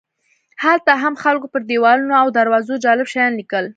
هلته هم خلکو پر دیوالونو او دروازو جالب شیان لیکل.